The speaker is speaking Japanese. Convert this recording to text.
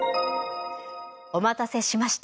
お待たせしました。